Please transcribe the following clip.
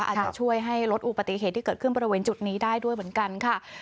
อาจจะช่วยให้ลดอุบัติเหตุที่เกิดขึ้นบริเวณจุดนี้ได้ด้วยเหมือนกันค่ะ